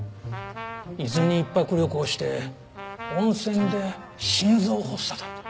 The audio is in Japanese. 伊豆に一泊旅行して温泉で心臓発作だと。